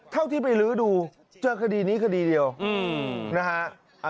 เท่าที่ไปลื้อดูเจอคดีนี้คดีเดียวนะฮะ